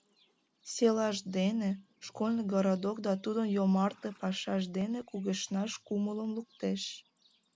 Селашт дене, школьный городок да тудын йомартле пашаж дене кугешнаш кумылым луктеш.